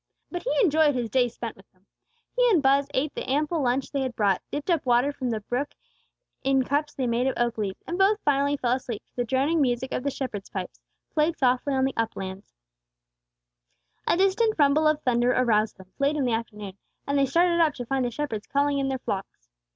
But he enjoyed his day spent with them. He and Buz ate the ample lunch they had brought, dipped up water from the brook in cups they made of oak leaves, and both finally fell asleep to the droning music of the shepherd's pipes, played softly on the uplands. A distant rumble of thunder aroused them, late in the afternoon; and they started up to find the shepherds calling in their flocks.